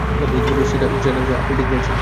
সেটা আপনি ঠিক বলেছেন।